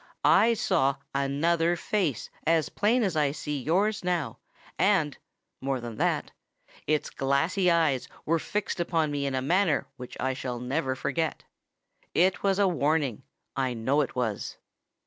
"I saw another face as plain as I see yours now; and—more than that—its glassy eyes were fixed upon me in a manner which I shall never forget. It was a warning—I know it was."